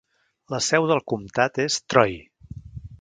La seu del comtat és Troy.